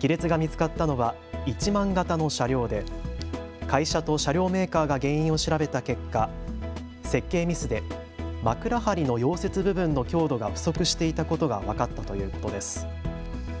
亀裂が見つかったのは１００００形の車両で会社と車両メーカーが原因を調べた結果、設計ミスで枕はりの溶接部分の強度が不足していたことが分かったということです。